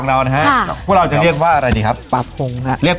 หรือเรียกป๊าได้ไหม